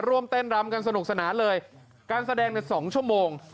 ร่วมเต้นรำกันสนุกสนานเลยการแสดงใน๒ชั่วโมง